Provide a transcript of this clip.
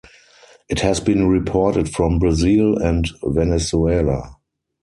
It has been reported from Brazil and Venezuela.